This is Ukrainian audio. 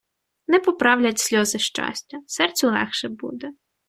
Не поправлять сльози щастя, серцю легше буде